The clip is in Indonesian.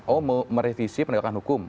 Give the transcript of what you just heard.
oh merevisi pendekatan hukum